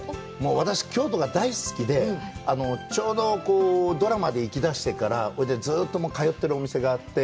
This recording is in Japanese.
私、京都が大好きで、ちょうどドラマで行き出してから、ずうっと通ってるお店があって。